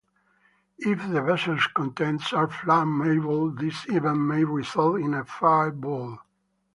If the vessel contents are flammable, this event may result in a "fireball".